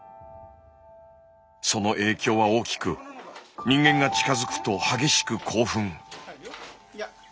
その影響は大きく人間が近づくと激しく興奮。